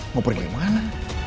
mau pergi ke mana